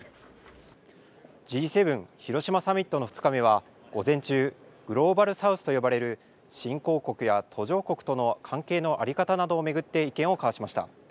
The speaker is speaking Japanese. Ｇ７広島サミットの２日目は午前中、グローバル・サウスと呼ばれる新興国や途上国との関係の在り方などを巡って意見を交わしました。